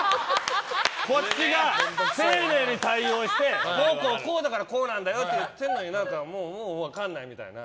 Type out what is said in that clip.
こっちが丁寧に対応してこうこうこうだからこうなんだよって言ってるのに分かんないみたいな。